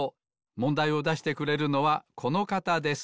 もんだいをだしてくれるのはこのかたです。